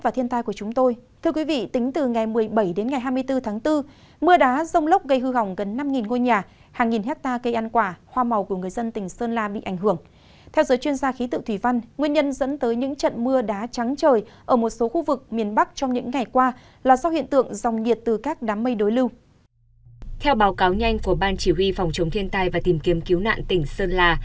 theo báo cáo nhanh của ban chỉ huy phòng chống thiên tai và tìm kiếm cứu nạn tỉnh sơn la